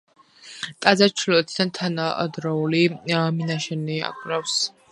ტაძარს ჩრდილოეთიდან თანადროული მინაშენი აკრავს.